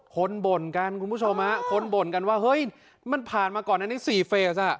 บ่นกันคุณผู้ชมฮะคนบ่นกันว่าเฮ้ยมันผ่านมาก่อนอันนี้๔เฟสอ่ะ